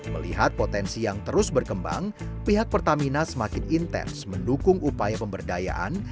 melihat potensi yang terus berkembang pihak pertamina semakin intens mendukung upaya pemberdayaan